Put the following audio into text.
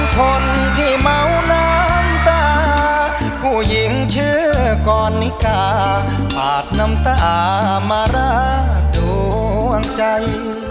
ผ่านน้ำตามารักดวงใจ